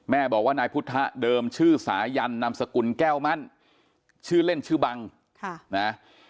แม่บอกว่านายพุทธเดิมชื่อสายันนามสกุลแก้วมั่นชื่อเล่นชื่อบังค่ะนะ